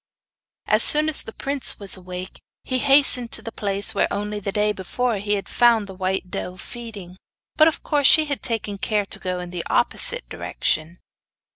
As soon as the prince was awake he hastened to the place where, only the day before, he had found the white doe feeding; but of course she had taken care to go in the opposite direction.